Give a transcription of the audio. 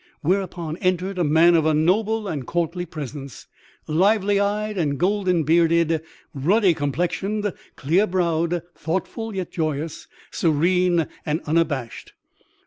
Whereupon entered a man of a noble and courtly presence, lively eyed and golden bearded, ruddy complexioned, clear browed, thoughtful, yet joyous, serene and unabashed.